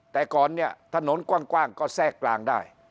แต่ก่อนเนี่ยถนนกว้างก็แทรกกลางได้